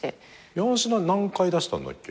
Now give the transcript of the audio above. ヤンシナ何回出したんだっけ？